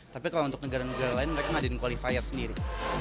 tapi kalau untuk negara negara lain mereka ngadiin qualifier sendiri